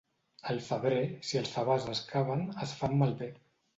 Al febrer, si els favars es caven es fan malbé.